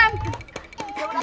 yaudah tuh perhatian